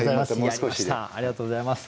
ありがとうございます。